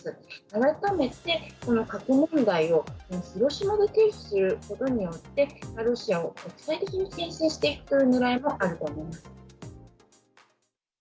改めてこの核問題を、広島で提起することによって、ロシアを国際的にけん制していくねらいもあると思います。